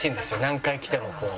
何回来てもこう。